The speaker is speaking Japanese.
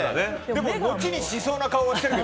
でも、後にしそうな顔はしてる。